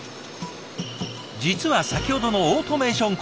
実は先ほどのオートメーション